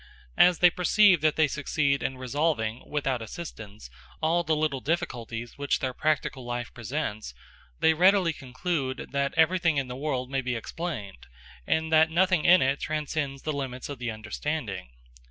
As they perceive that they succeed in resolving without assistance all the little difficulties which their practical life presents, they readily conclude that everything in the world may be explained, and that nothing in it transcends the limits of the understanding.